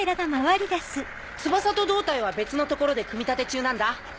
翼と胴体は別の所で組み立て中なんだ。